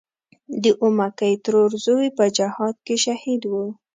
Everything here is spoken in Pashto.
د اومکۍ ترور زوی په جهاد کې شهید و.